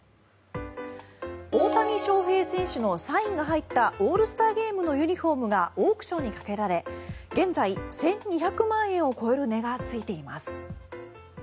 大谷翔平選手のサインが入ったオールスターゲームのユニホームがオークションにかけられ現在、１２００万円を超える値がついています。